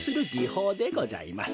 ほうでございます。